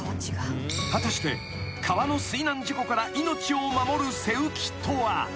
［果たして川の水難事故から命を守る背浮きとは］